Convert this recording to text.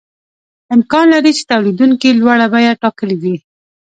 امکان لري چې تولیدونکي لوړه بیه ټاکلې وي